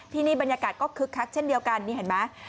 ที่นี่บรรยากาศก็คึกคักเช่นเดียวกันนี่เห็นไหม